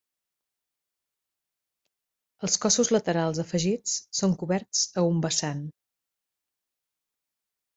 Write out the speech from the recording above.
Els cossos laterals afegits són coberts a un vessant.